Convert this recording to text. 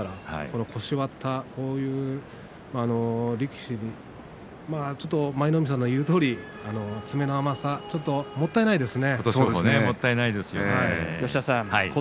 腰を割った力士に舞の海さんの言うとおり詰めの甘さですねもったいないですね。